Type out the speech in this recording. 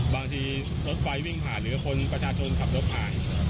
บางทีรถไฟวิ่งผ่านหรือคนประชาชนขับรถผ่าน